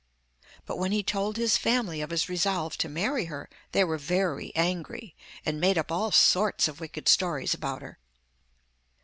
But when he told his family of his resolve to marry her they were very angry, and made up all sorts of wicked stories about her.